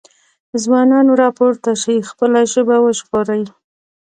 ځوانانو راپورته شئ خپله ژبه وژغورئ۔